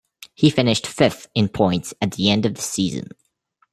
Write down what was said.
He finished fifth in points at the end of the season.